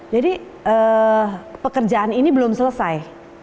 jadi pekerjaan ini belum selesai